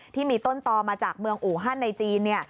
ที่มีต้นต่อมาจากเมืองอูฮันในจีน